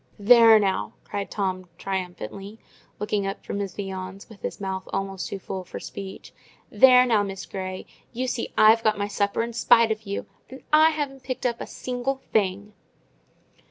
"There now," cried Tom, triumphantly, looking up from his viands with his mouth almost too full for speech. "There now, Miss Grey! you see I've got my supper in spite of you: and I haven't picked up a single thing!"